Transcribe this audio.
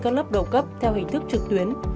các lớp đầu cấp theo hình thức trực tuyến